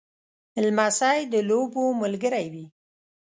لمسی د لوبو ملګری وي.